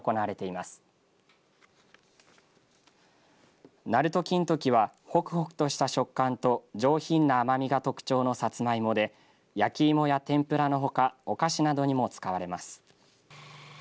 なると金時はホクホクとした食感と上品な甘みが特徴のサツマイモで焼き芋や天ぷらのほかお菓子などにも使われます。